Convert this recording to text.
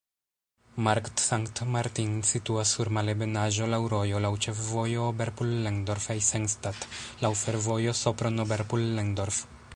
Markt Sankt Martin situas sur malebenaĵo, laŭ rojo, laŭ ĉefvojo Oberpullendorf-Eisenstadt, laŭ fervojo Sopron-Oberpullendorf.